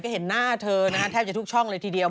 ก็เห็นหน้าเธอนะฮะแทบจะทุกช่องเลยทีเดียว